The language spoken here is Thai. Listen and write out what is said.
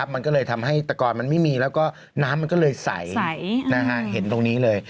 มันก็เลยทำให้ตะกอนมันไม่มีแล้วก็น้ำมันก็เลยใสเห็นตรงนี้เลย